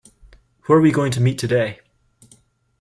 Who're we going to meet today?